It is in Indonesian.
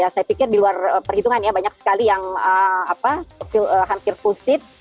saya pikir di luar perhitungan ya banyak sekali yang hampir pusit